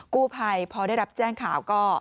กู้ภัยพอได้รับแจ้งข่าวก็